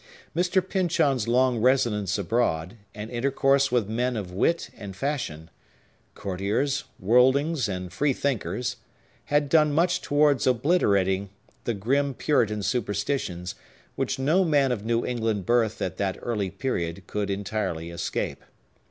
Mr. Pyncheon's long residence abroad, and intercourse with men of wit and fashion,—courtiers, worldlings, and free thinkers,—had done much towards obliterating the grim Puritan superstitions, which no man of New England birth at that early period could entirely escape.